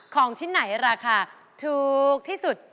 ของชิ้นไหนราคาถูกที่สุด